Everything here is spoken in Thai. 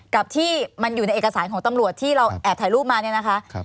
กับที่มันอยู่ในเอกสารของตำรวจที่เราแอบถ่ายรูปมาเนี่ยนะคะ